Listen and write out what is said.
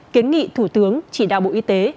kiến nghị thủ tướng chỉ đạo bộ y tế